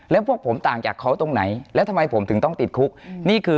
และพวกผมต่างจากเขาตรงไหนและทำไมผมถึงต้องติดคุก